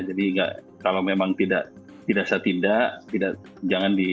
jadi kalau memang tidak setindak jangan di